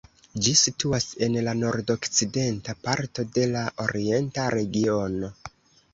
Ĝi situas en la nordokcidenta parto de la Orienta Regiono.